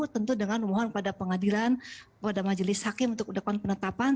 tentu dengan mohon pada pengadilan pada majelis hakim untuk mendapatkan penetapan